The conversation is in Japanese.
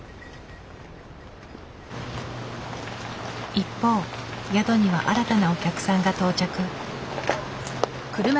一方宿には新たなお客さんが到着。